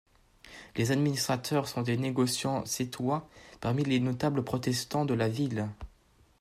Les administrateurs sont des négociants sétois, parmi les notables protestants de la ville.